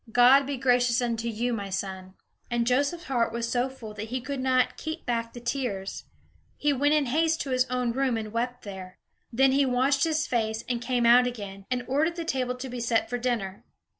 God be gracious unto you, my son." And Joseph's heart was so full that he could not keep back the tears. He went in haste to his own room, and wept there. Then he washed his face, and came out again, and ordered the table to be set for dinner.